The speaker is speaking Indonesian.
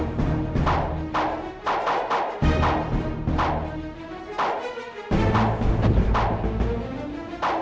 punya yang kita dapat di tengah tengahnya